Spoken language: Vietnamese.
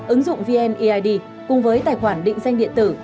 ứng dụng vneid cùng với tài khoản định danh điện tử